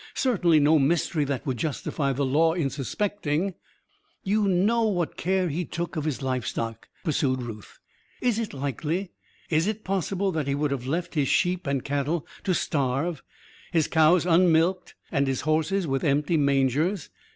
Certainly no mystery that would justify the law in suspecting " "You know what care he took of his livestock," pursued Ruth. "Is it likely is it possible that he would have left his sheep and cattle to starve, his cows unmilked and his horses with empty mangers?